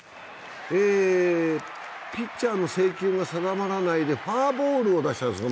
ピッチャーの制球が定まらないでファウルを出したんです。